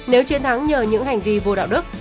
nếu chiến thắng nhờ những hành vi vô đạo đức